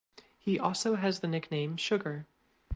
He also has the nickname "Sugar".